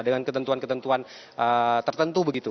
dengan ketentuan ketentuan tertentu begitu